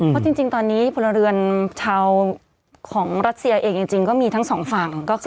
เพราะจริงตอนนี้พลเรือนชาวของรัสเซียเองจริงก็มีทั้งสองฝั่ง